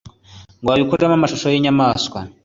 ngo babikuremo amashusho y’inyamaswa,